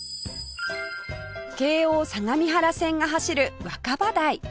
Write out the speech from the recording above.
京王相模原線が走る若葉台